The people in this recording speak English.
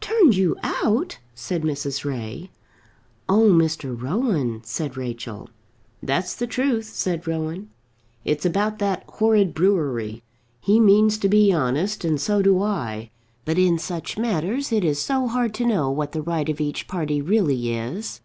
"Turned you out?" said Mrs. Ray. "Oh, Mr. Rowan!" said Rachel. "That's the truth," said Rowan. "It's about that horrid brewery. He means to be honest, and so do I. But in such matters it is so hard to know what the right of each party really is.